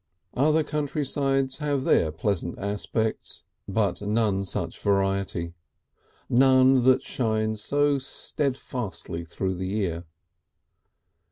Other country sides have their pleasant aspects, but none such variety, none that shine so steadfastly throughout the year.